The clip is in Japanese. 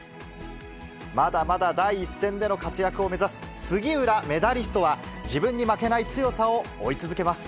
まだまだ第一線での活躍を目指す杉浦メダリストは、自分に負けない強さを追い続けます。